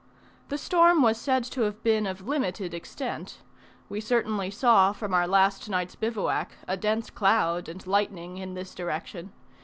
The storm was said to have been of limited extent: we certainly saw from our last night's bivouac a dense cloud and lightning in this direction.